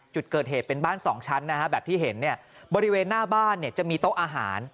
จุดเกิดเหตุเป็นบ้านสองชั้นนะฮะแบบที่เห็นเนี่ยบริเวณหน้าบ้านเนี่ยจะมีโต๊ะอาหาร